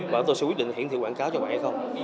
và tôi sẽ quyết định hiển thị quảng cáo cho bạn hay không